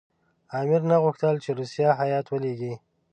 امیر نه غوښتل چې روسیه هېئت ولېږي.